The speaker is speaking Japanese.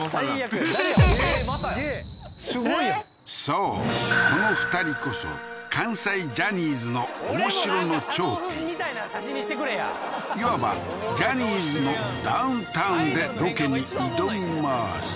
そうこの２人こそ佐野みたいな写真にしてくれやいわばジャニーズのダウンタウンでロケに挑みます